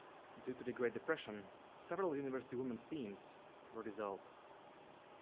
Due to the Great Depression, several university women's teams were dissolved.